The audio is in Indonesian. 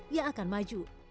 yang akan maju